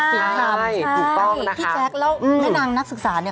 ใช่ถูกต้องนะคะพี่แจ๊คแล้วแม่นางนักศึกษาเนี่ย